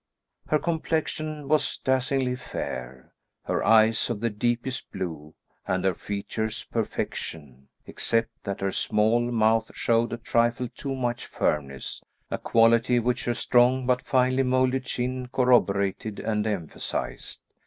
Her complexion was dazzlingly fair, her eyes of the deepest blue, and her features perfection, except that her small mouth showed a trifle too much firmness, a quality which her strong but finely moulded chin corroborated and emphasised.